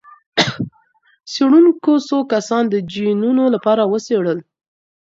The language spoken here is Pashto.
څېړونکو څو کسان د جینونو لپاره وڅېړل.